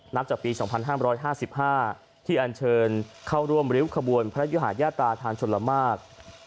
จากปี๒๕๕ที่อันเชิญเข้าร่วมริ้วขบวนพระยุหายาตาทางชนละมาก